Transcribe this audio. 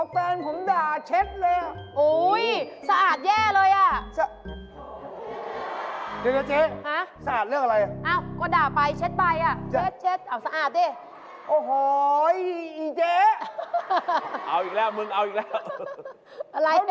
อ๋อแฟนผมด่าเช็ดเลย